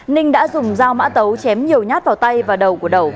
ninh đã dùng dao mã tấu chém nhiều nhát vào tay và đầu của đầu